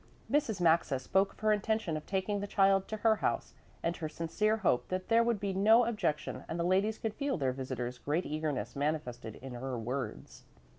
Mrs. Maxa spoke of her intention of taking the child to her house and her sincere hope that there would be no objection and the ladies could feel their visitor's great eagerness manifested in her words.